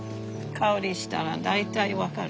香りしたら大体分かる。